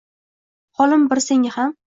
Holim bir senga ham —